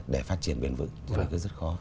để phát triển bền vững